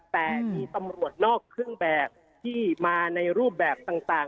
แต่มีตำรวจนอกเครื่องแบบที่มาในรูปแบบต่าง